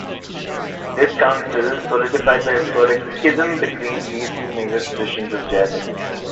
This council solidified the historic schism between these two major traditions of Jainism.